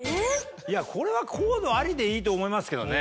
これはコードありでいいと思いますけどね。